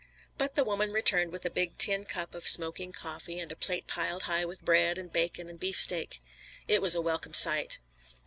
But the woman returned with a big tin cup of smoking coffee and a plate piled high with bread and bacon and beefsteak. It was a welcome sight.